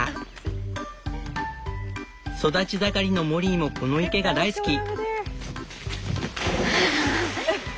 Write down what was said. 育ち盛りのモリーもこの池が大好き。